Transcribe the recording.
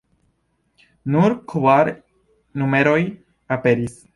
Nur kvar numeroj aperis.